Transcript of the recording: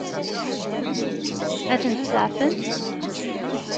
Ad ten-tseɛfemt?